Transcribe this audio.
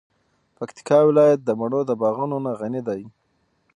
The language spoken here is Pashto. پکتیکا ولایت د مڼو د باغونو نه غنی ده.